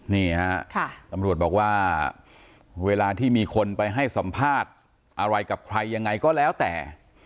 นี่ฮะตำรวจบอกว่าเวลาที่มีคนไปให้สัมภาษณ์อะไรกับใครยังไงก็แล้วแต่